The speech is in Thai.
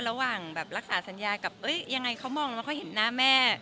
ระหว่างแบบรักษาสัญญากับยังไงเขามองแล้วเขาเห็นหน้าแม่